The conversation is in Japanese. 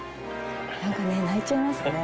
なんかね泣いちゃいますね。